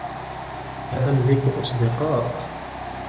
لا أملك أصدقاء.